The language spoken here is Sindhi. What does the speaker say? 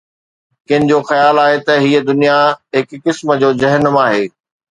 ڪن جو خيال آهي ته هيءَ دنيا هڪ قسم جو جهنم آهي.